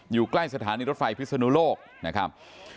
อยู่ใกล้สถานีรถไฟพิศนุโลกนะครับ